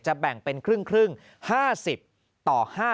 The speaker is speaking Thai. แบ่งเป็นครึ่ง๕๐ต่อ๕